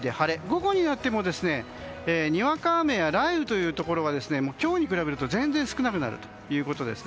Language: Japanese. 午後になってもにわか雨や雷雨というところは今日に比べると全然少なくなるということです。